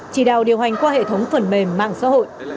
chỉ đạo điều hành qua hệ thống phần mềm mạng xã hội